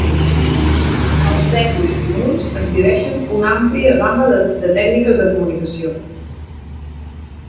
Els degus comuns exhibeixen una àmplia gamma de tècniques de comunicació.